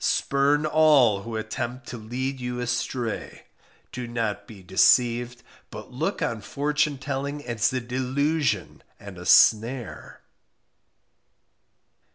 spurn all who attempt to lead you astray; do not be deceived, but look on fortune telling as a delusion and a snare.